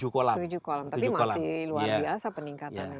tujuh kolam tapi masih luar biasa peningkatannya